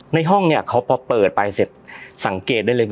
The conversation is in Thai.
ในห้องเนี่ยเขาพอเปิดไปเสร็จสังเกตได้เลย